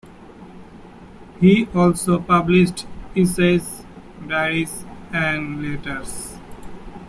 He also published essays, diaries and letters.